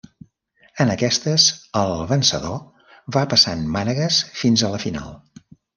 En aquestes el vencedor va passant mànegues fins a la final.